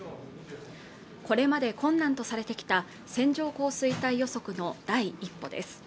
これまで困難とされてきた線状降水帯予測の第一歩です